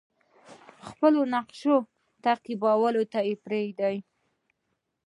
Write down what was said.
خپلو نقشو تعقیبولو ته پریږدي.